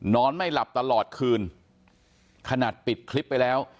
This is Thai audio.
นอนไม่หลับตลอดคืนขนาดปิดคลิปไปแล้ว